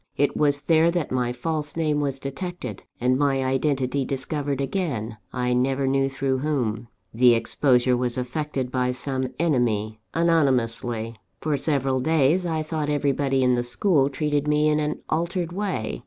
It was there that my false name was detected, and my identity discovered again I never knew through whom. The exposure was effected by some enemy, anonymously. For several days, I thought everybody in the school treated me in an altered way.